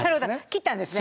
切ったんですね。